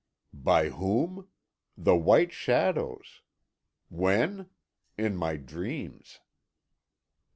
"By whom? The white shadows. When? In my dreams."